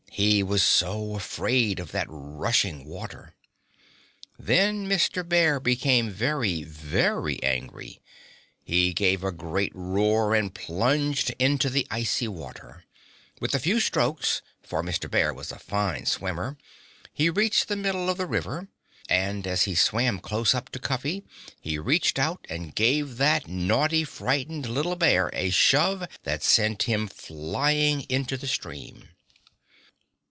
He was so afraid of that rushing water! Then Mr. Bear became very, very angry. He gave a great roar and plunged into the icy water. With a few strong strokes for Mr. Bear was a fine swimmer he reached the middle of the river. And as he swam close up to Cuffy he reached out and gave that naughty, frightened little bear a shove that sent him flying into the stream.